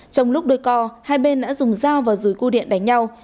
trong lúc đôi co hai bên đã dùng dao và rùi cua điện đánh nhau